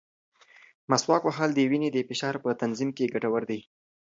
مسواک وهل د وینې د فشار په تنظیم کې ګټور دی.